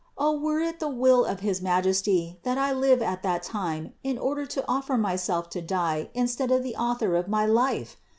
O were it the will of his Majesty that I live at that time in order to offer myself to die instead of the Author of my life!